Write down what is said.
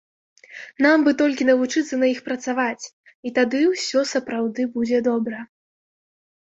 Нам бы толькі навучыцца на іх працаваць, і тады ўсё сапраўды будзе добра.